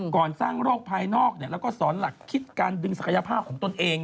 ก่อนสร้างโรคภายนอกแล้วก็สอนหลักคิดการดึงศักยภาพของตนเอง